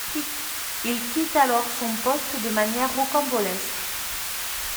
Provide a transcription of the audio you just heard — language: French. Il quitte alors son poste de manière rocambolesque.